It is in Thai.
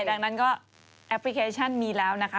ดังนั้นก็แอปพลิเคชันมีแล้วนะคะ